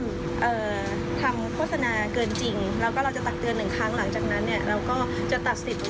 แล้วก็เราจะตัดเตือนหนึ่งครั้งหลังจากนั้น